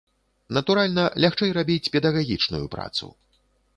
Натуральна, лягчэй рабіць педагагічную працу.